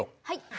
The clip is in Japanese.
はい。